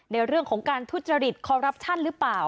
ในเรื่องของการทุจริตคอรัปชั่นหรือเปล่า